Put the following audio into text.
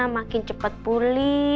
makin cepat pulih